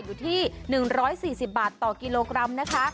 อยู่ที่๑๔๐บาทต่อกิโลกรัมนะคะ